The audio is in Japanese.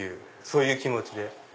そういう気持ちで。